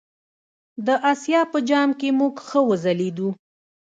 د آسیا په جام کې موږ ښه وځلیدو.